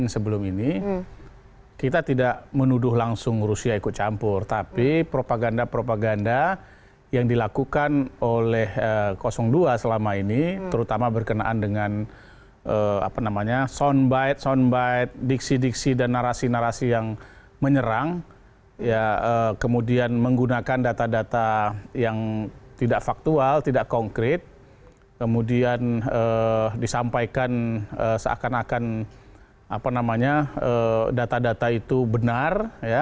seakan akan data data itu benar